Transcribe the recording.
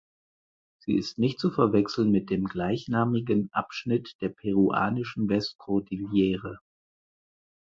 Sie ist nicht zu verwechseln mit dem gleichnamigen Abschnitt der peruanischen Westkordillere.